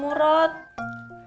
kenapa belum pulang murot